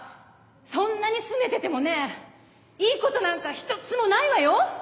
そんなにすねててもねいいことなんか一つもないわよ。